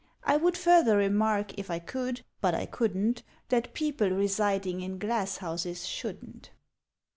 (I would further remark, if I could, but I couldn't That People Residing in Glasshouses shouldn't.)